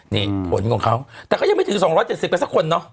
นี่ผลของเขาแต่ก็ยังไม่ถึง๒๗๐กันสักคนเนอะ